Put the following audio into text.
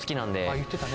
言ってたね。